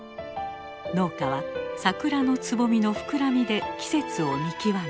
農家は桜のつぼみの膨らみで季節を見極め